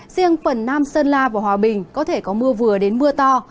riêng phần nam sơn la và hòa bình có thể có mưa vừa đến mưa to